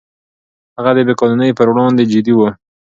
هغه د بې قانونۍ پر وړاندې جدي و.